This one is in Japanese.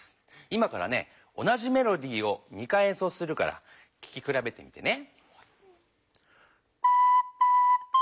今からね同じメロディーを２回えんそうするからききくらべてみてね。